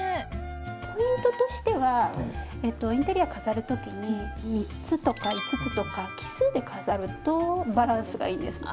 ポイントとしてはインテリアを飾る時に３つとか、５つとか奇数で飾るとバランスがいいですね。